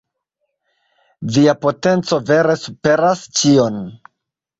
Via potenco vere superas ĉion.